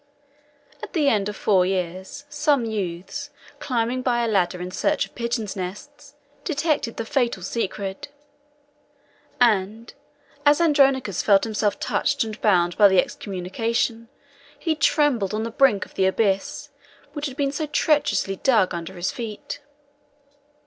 At the end of four years, some youths, climbing by a ladder in search of pigeons' nests, detected the fatal secret; and, as Andronicus felt himself touched and bound by the excommunication, he trembled on the brink of the abyss which had been so treacherously dug under his feet.